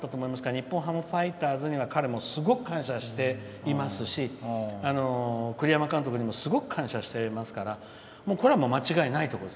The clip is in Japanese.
日本ハムファイターズには彼もすごく感謝していますし栗山監督にもすごい感謝していますからこれは間違いないと思います。